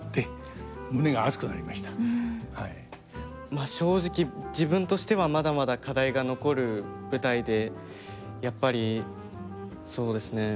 まあ正直自分としてはまだまだ課題が残る舞台でやっぱりそうですね。